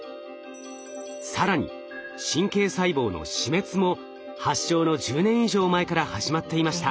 更に神経細胞の死滅も発症の１０年以上前から始まっていました。